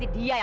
oh ini dia ya